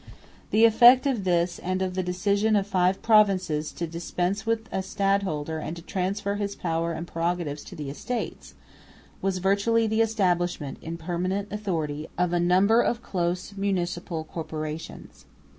The effect of this, and of the decision of five provinces to dispense with a stadholder and to transfer his power and prerogatives to the Estates, was virtually the establishment in permanent authority of a number of close municipal corporations.